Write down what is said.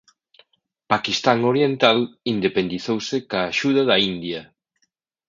Paquistán Oriental independizouse coa axuda da India.